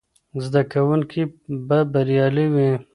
زده کوونکي به بریالي وي.